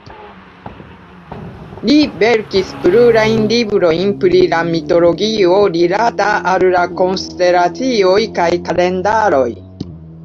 Li verkis plurajn librojn pri la mitologio rilata al la konstelacioj kaj kalendaroj.